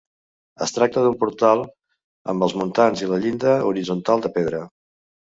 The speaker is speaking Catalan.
Es tracta d'un portal amb els muntants i la llinda horitzontal de pedra.